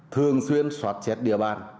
thường xuyên soát chét địa bàn